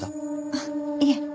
あっいえ。